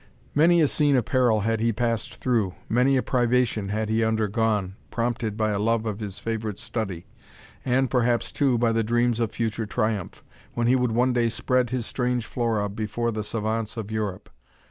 Many a scene of peril had he passed through, many a privation had he undergone, prompted by a love of his favourite study, and perhaps, too, by the dreams of future triumph, when he would one day spread his strange flora before the savants of Europe.